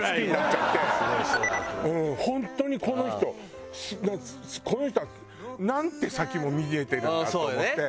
本当にこの人この人は何手先も見えてるんだと思って。